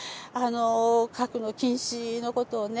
核の禁止のことをね